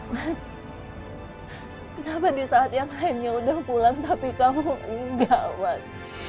mas kenapa di saat yang lainnya udah pulang tapi kamu enggak mas